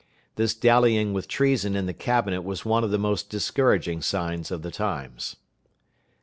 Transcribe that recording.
This dallying with treason in the Cabinet was one of the most discouraging signs of the times.